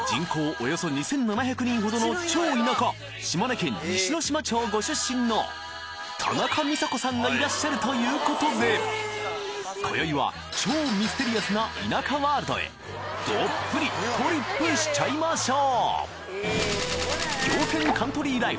およそ２，７００人ほどのチョ田舎ご出身の田中美佐子さんがいらっしゃるということで今宵はチョミステリアスなへどっぷりトリップしちゃいましょう！